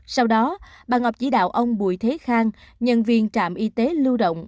sau đó bà ngọc chỉ đạo ông bùi thế khang nhân viên trạm y tế lưu động